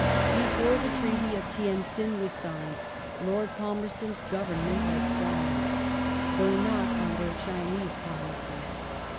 Before the Treaty of Tientsin was signed I^ord Palmei'ston's Government had fallen, though not on their Chinese policy.